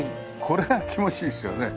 これは気持ちいいですよね。